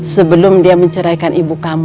sebelum dia menceraikan ibu kamu